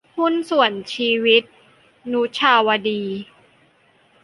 หุ้นส่วนชีวิต - นุชาวดี